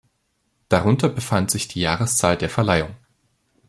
Darunter befand sich die Jahreszahl der Verleihung.